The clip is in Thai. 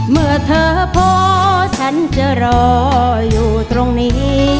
เมื่อเธอพอฉันจะรออยู่ตรงนี้